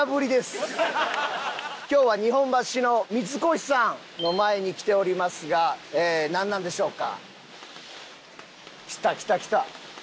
今日は日本橋の三越さんの前に来ておりますがなんなんでしょうか。来た来た来た！